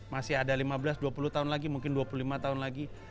masih ada lima belas dua puluh tahun lagi mungkin dua puluh lima tahun lagi